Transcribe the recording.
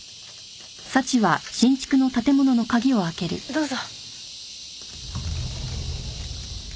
どうぞ。